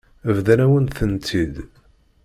Bḍan-awen-ten-id.